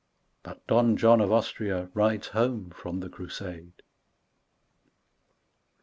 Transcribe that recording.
. (But Don John of Austria rides home frrm the Crusade.)